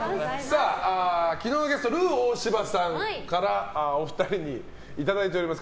昨日のゲスト、ルー大柴さんからお二人にいただいております